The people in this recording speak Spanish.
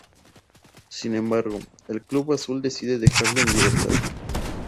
Sin embargo, el club azul decide dejarlo en libertad.